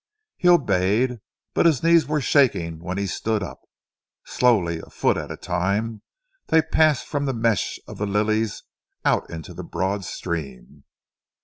He obeyed, but his knees were shaking when he stood up. Slowly, a foot at a time, they passed from the mesh of the lilies out into the broad stream.